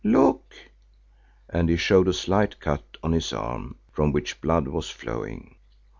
Look!" and he showed a slight cut on his arm from which blood was flowing.